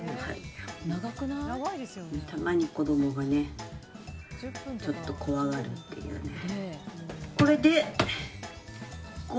たまに子供がちょっと怖がるっていうね。